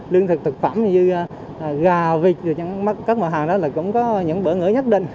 lương thực thực phẩm như gà vịt các mở hàng đó là cũng có những bỡ ngỡ nhất định